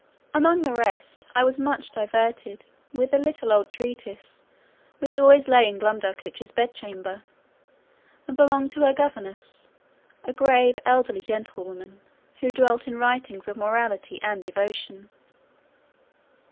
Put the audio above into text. Among the rest, I was much diverted with a little old treatise, which always lay in Glumdalclitch's bed chamber, and belonged to her governess, a grave elderly gentlewoman, who dealt in writings of morality and devotion.